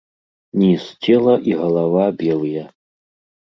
Ніз цела і галава белыя.